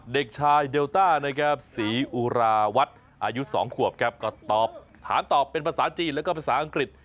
เด็กชายเดลต้านะครับศรีอุราวัฒน์อายุ๒ขวบครับก็ตอบถามตอบเป็นภาษาจีนแล้วก็ภาษาอังกฤษ